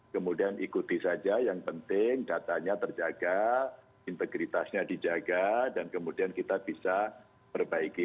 kemudian ikuti saja yang penting datanya terjaga integritasnya dijaga dan kemudian kita bisa perbaiki